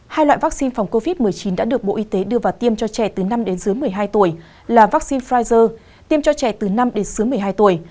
hai loại vaccine phòng covid một mươi chín đã được bộ y tế đưa vào tiêm cho trẻ từ năm đến dưới một mươi hai tuổi là vaccine pfizer tiêm cho trẻ từ năm đến dưới một mươi hai tuổi